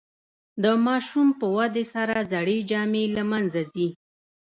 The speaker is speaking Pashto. د ماشوم په ودې سره زړې جامې له منځه ځي.